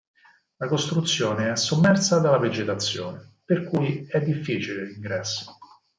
La costruzione è sommersa dalla vegetazione, per cui è difficile l'ingresso.